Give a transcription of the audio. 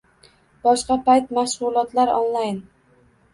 Boshqa payt mashg‘ulotlar onlayn.